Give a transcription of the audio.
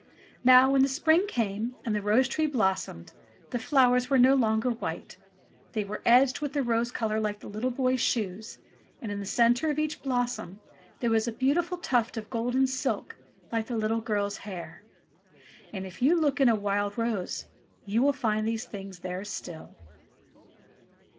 Now when the spring came and the rose tree blossomed, the flowers were no longer white. They were edged with rose colour like the little boy's shoes, and in the centre of each blossom there was a beautiful tuft of golden silk like the little girl's hair. And if you look in a wild rose you will find these things there still.